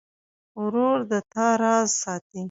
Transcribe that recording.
ورور د تا راز ساتي.